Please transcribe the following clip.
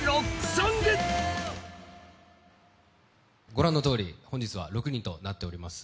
御覧のとおり、本日は６人となっております。